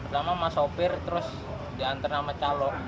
sama sama supir terus diantar sama calo